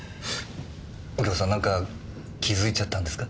右京さんなんか気づいちゃったんですか？